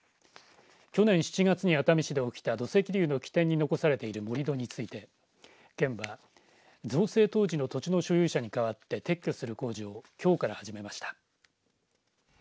去年７月に熱海市で起きた土石流の起点に残されている盛り土について県は造成当時の土地の所有者に代わって撤去する工事をきょうから始めました。